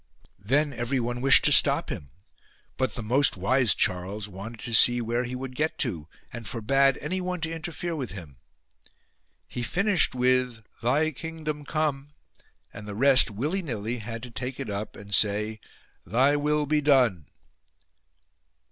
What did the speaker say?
Then everyone wished to stop him ; but the most wise Charles wanted to see where he would get to, and forbade anyone to interfere with him. He finished with Thy Kingdom come and the rest, willy willy, had to take it up and say Thy will he done.